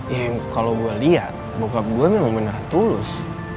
ya kalo gue liat bokap gue memang beneran tulus